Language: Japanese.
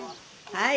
はい。